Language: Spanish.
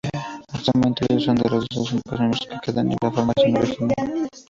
Actualmente, ellos dos son los únicos miembros que quedan de la formación original.